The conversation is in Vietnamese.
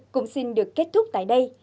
cũng xin được kết thúc tại đây